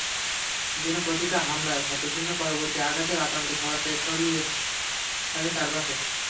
যেন প্রতিটা হামলার ক্ষতচিহ্ন পরবর্তী আঘাতের আতঙ্ক ছড়াতে ছড়িয়ে থাকে চারপাশে।